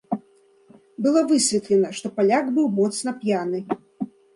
Было высветлена, што паляк быў моцна п'яны.